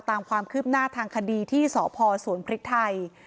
ตามความคืบหน้าทางคดีที่สพสวนพริกไทย